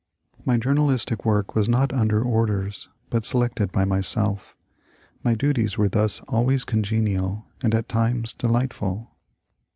My journalistic work was not under orders, but selected by myself. My duties were thus always congenial, and at times delightful.